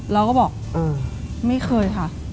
เราก็บอกไม่เคยค่ะ